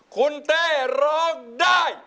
คุณเต้ร้องได้